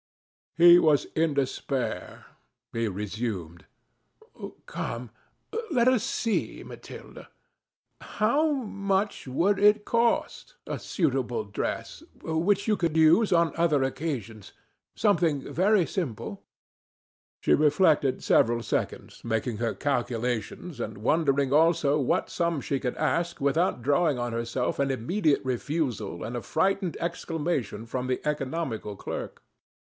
He was in despair. He resumed: "Come, let us see, Mathilde. How much would it cost, a suitable dress, which you could use on other occasions, something very simple?" She reflected several seconds, making her calculations and wondering also what sum she could ask without drawing on herself an immediate refusal and a frightened exclamation from the economical clerk.